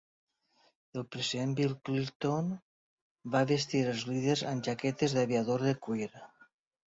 El president Bill Clinton va vestir els líders amb jaquetes d'aviador de cuir.